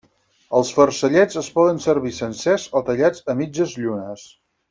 Els farcellets es poden servir sencers o tallats a mitges llunes.